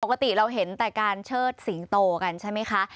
ปกติเราเห็นแต่การเชิดสิงโตกันใช่ไหมคะ